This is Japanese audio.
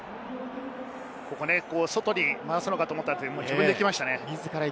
外に回すのかと思ったら、自分で行きましたね。